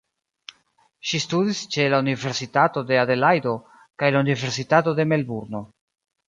Ŝi studis ĉe la universitato de Adelajdo kaj la universitato de Melburno.